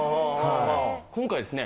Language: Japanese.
今回ですね